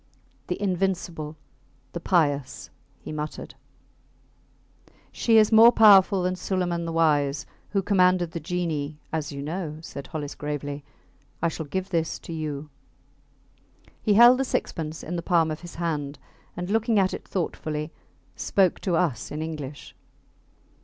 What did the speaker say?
The Invincible, the Pious, he muttered. She is more powerful than Suleiman the Wise, who commanded the genii, as you know, said Hollis, gravely. I shall give this to you. He held the sixpence in the palm of his hand, and looking at it thoughtfully, spoke to us in English.